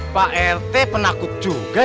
pak rete penakut juga ya